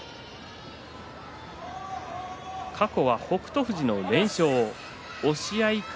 過去は北勝富士の連勝。